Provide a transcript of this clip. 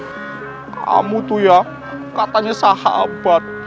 kamu tuh ya katanya sahabat